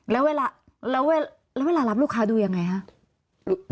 แล้วเวลารับลูกค้าดูยังไงฮะ